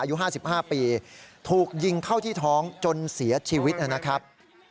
อายุ๕๕ปีถูกยิงเข้าที่ท้องจนเสียชีวิตนะครับ